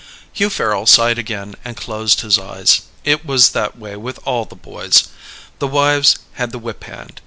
Hugh Farrel sighed again and closed his eyes. It was that way with all the boys. The wives had the whip hand.